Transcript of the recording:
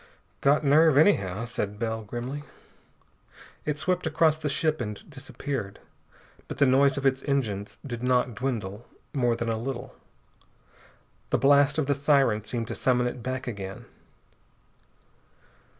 "Got nerve, anyhow," said Bell grimly. It swept across the ship and disappeared, but the noise of its engines did not dwindle more than a little. The blast of the siren seemed to summon it back again.